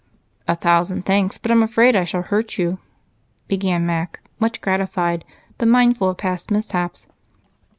"A thousand thanks, but I'm afraid I shall hurt you," began Mac, much gratified, but mindful of past mishaps.